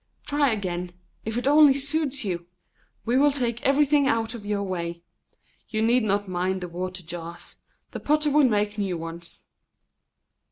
Try again, if it only soothes you! We will take everything out of your way. You need not mind the water jars. The potter will make new ones!"